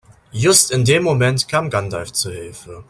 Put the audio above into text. Just in dem Moment kam Gandalf zu Hilfe.